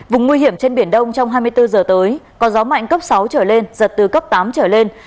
vùng nguy hiểm trên biển đông trong hai mươi bốn giờ tới có gió mạnh cấp sáu trở lên giật từ cấp tám trở lên